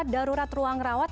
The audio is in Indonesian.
darurat ruang rawat